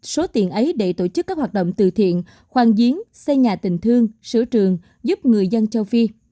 ngoài ra chàng youtuber này còn sử dụng chính số tiền để tổ chức các hoạt động từ thiện khoan diến xây nhà tình thương sửa trường giúp người dân châu phi